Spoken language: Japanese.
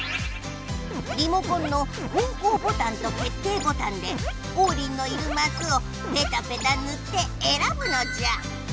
リモコンの方向ボタンと決定ボタンでオウリンのいるマスをペタペタぬってえらぶのじゃ！